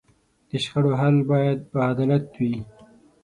د شخړو حل باید په عدالت وي.